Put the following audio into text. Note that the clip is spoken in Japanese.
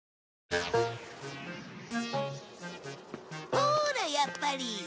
ほーらやっぱり！